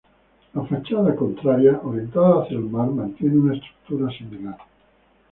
La fachada contraria, orientada hacia el mar, mantiene una estructura similar.